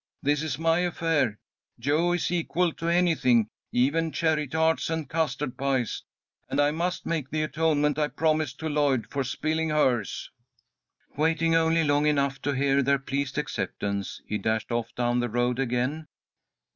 "This is my affair. Jo is equal to anything, even cherry tarts and custard pies, and I must make the atonement I promised to Lloyd, for spilling hers." Waiting only long enough to hear their pleased acceptance, he dashed off down the road again.